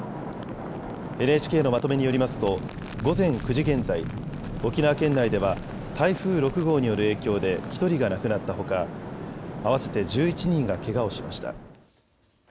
ＮＨＫのまとめによりますと午前９時現在、沖縄県内では台風６号による影響で１人が亡くなったほか合わせて１１人がけがをしました。